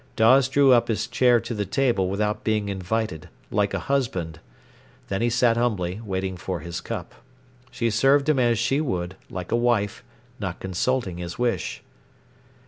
Dawes drew up his chair to the table without being invited, like a husband. Then he sat humbly waiting for his cup. She served him as she would, like a wife, not consulting his wish.